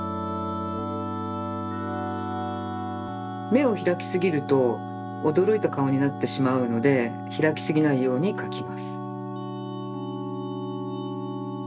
めをひらきすぎるとおどろいたかおになってしまうのでひらきすぎないようにかきます。